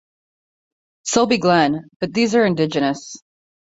Sulby Glen, but these are indigenous.